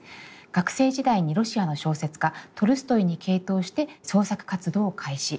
学生時代にロシアの小説家トルストイに傾倒して創作活動を開始。